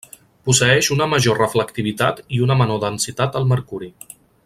Posseeix una major reflectivitat i una menor densitat el mercuri.